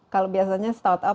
kalau biasanya startup